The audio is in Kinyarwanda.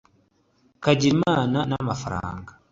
kagire imana n'amafaranga